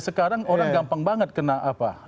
sekarang orang gampang banget kena apa